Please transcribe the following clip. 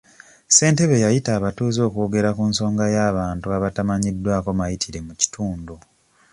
Ssentebe yayita abatuuze okwogera ku nsonga y'abantu abatamanyiddwako mayitire mu kitundu.